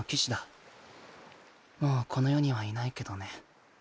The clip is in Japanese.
僕もうこの世にはいないけどね